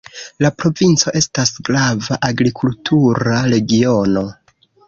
La provinco estas grava agrikultura regiono.